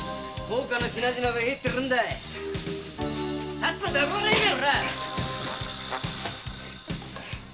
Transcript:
さっさと運ばねえか！